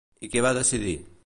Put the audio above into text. I què va decidir?